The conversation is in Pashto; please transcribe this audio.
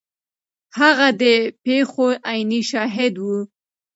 هغه د پیښو عیني شاهد و.